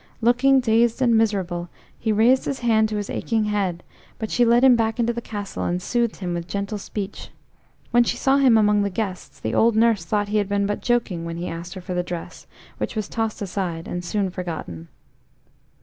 Looking dazed and miserable, he raised his hand to his aching head; but she led him back into the castle and soothed him with gentle speech. When she saw him among the guests the old nurse thought he had been but joking when he asked her for the dress, which was tossed aside and soon forgotten.